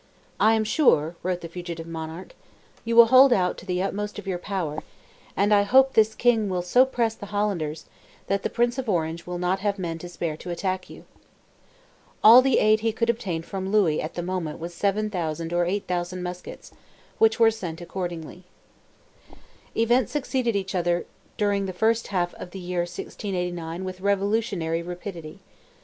"I am sure," wrote the fugitive monarch, "you will hold out to the utmost of your power, and I hope this king will so press the Hollanders, that the Prince of Orange will not have men to spare to attack you." All the aid he could obtain from Louis at the moment was 7,000 or 8,000 muskets, which were sent accordingly. Events succeeded each other during the first half of the year 1689 with revolutionary rapidity.